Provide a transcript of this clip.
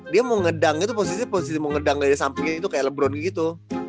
dia mau ngedang itu posisi posisi mau ngedang dari sampingnya itu kayak elebron gitu